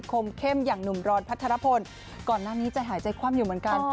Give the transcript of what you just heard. มเข้มอย่างหนุ่มรอนพัทรพลก่อนหน้านี้ใจหายใจคว่ำอยู่เหมือนกัน